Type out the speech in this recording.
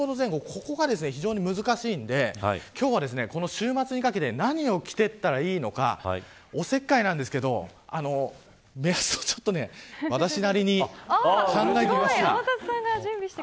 ここらへんが難しいんで週末にかけて何を着ていけばいいのかおせっかいなんですけど目安を私なりに考えてみました。